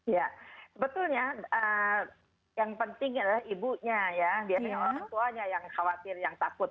ya sebetulnya yang penting adalah ibunya ya biasanya orang tuanya yang khawatir yang takut